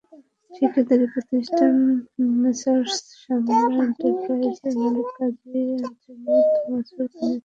ঠিকাদারি প্রতিষ্ঠান মেসার্স সালমা এন্টারপ্রাইজের মালিক কাজী আজমত বছর খানেক আগে মারা গেছেন।